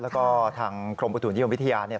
แล้วก็ทางกรมอุตุนิยมวิทยาเนี่ย